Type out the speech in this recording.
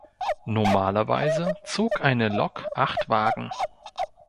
Normalerweise zog eine Lok acht Wagen.